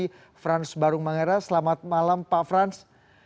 di frans barung mangera selamat malam pak frans